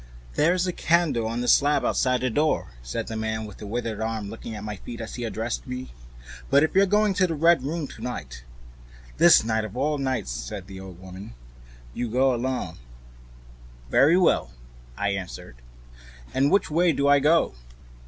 "There's a candle on the slab outside the door," said the man with the withered hand, looking at my feet as he addressed me. "But if you go to the Red Room to night " "This night of all nights!" said the old woman, softly. " You go alone." "Very well," I answered, shortly, "and which way do I go?"